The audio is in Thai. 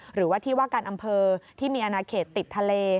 หรือว่าที่ว่าการอำเภอที่มีอนาเขตติดทะเล